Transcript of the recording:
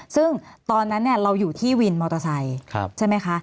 ซึ่งตอนนั้นเราอยู่ที่วินมอเตอร์ไซค์ใช่ไหมคะ